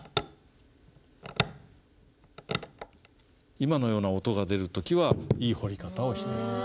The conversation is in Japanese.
今のような音が出る時はいい彫り方をしている。